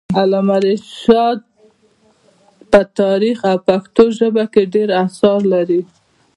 علامه رشاد په تاریخ او پښتو ژبه کي ډير اثار لري.